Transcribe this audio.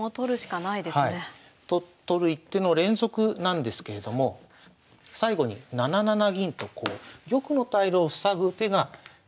取る一手の連続なんですけれども最後に７七銀とこう玉の退路を塞ぐ手が。